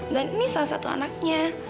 dan ini salah satu anaknya